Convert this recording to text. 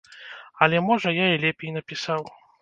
Але, можа, я і лепей напісаў.